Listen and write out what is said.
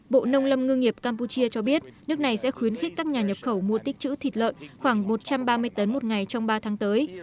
bộ nông lâm ngư nghiệp campuchia cho biết nước này sẽ khuyến khích các nhà nhập khẩu mua tích chữ thịt lợn khoảng một trăm ba mươi tấn một ngày trong ba tháng tới